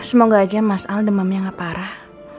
semoga aja mas al demamnya gak parah